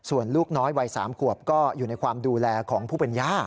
ส่วนลูกน้อยวัย๓ขวบก็อยู่ในความดูแลของผู้เป็นย่า